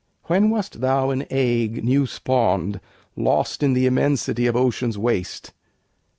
When wast thou an egg new spawn'd, Lost in the immensity of ocean's waste?